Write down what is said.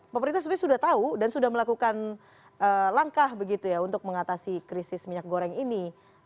pemerintah sebenarnya sudah tahu dan sudah melakukan langkah begitu ya untuk mengatasi krisis minyak goreng ini